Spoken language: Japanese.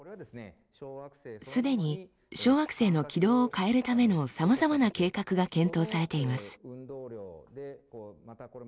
すでに小惑星の軌道を変えるためのさまざまな計画が検討されています。